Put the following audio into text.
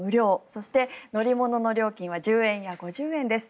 そして乗り物の値段は１０円や５０円です。